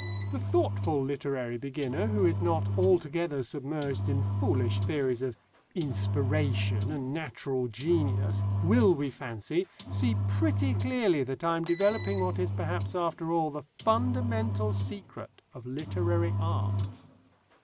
The thoughtful literary beginner who is not altogether submerged in foolish theories of inspiration and natural genius will, we fancy, see pretty clearly that I am developing what is perhaps after all the fundamental secret of literary art.